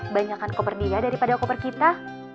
banyakan koper dia daripada koper kita